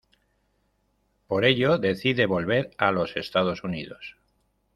Por ello decide volver a los Estados Unidos.